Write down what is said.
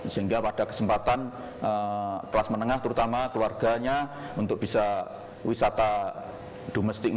sehingga pada kesempatan kelas menengah terutama keluarganya untuk bisa wisata domestik